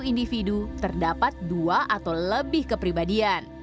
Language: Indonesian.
individu terdapat dua atau lebih kepribadian